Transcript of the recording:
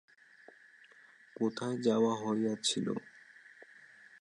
কোথায় যাওয়া হইয়াছিল?